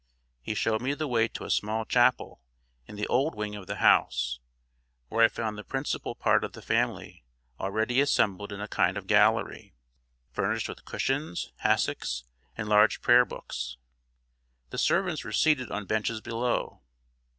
He showed me the way to a small chapel in the old wing of the house, where I found the principal part of the family already assembled in a kind of gallery, furnished with cushions, hassocks, and large prayer books; the servants were seated on benches below.